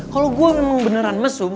kalo gue emang beneran mesum